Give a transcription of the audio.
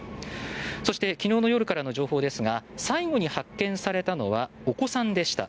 そして昨日の夜からの情報ですが最後に発見されたのはお子さんでした。